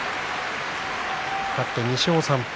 勝って２勝３敗